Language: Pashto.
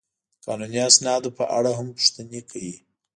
د قانوني اسنادو په اړه هم پوښتنې کوي.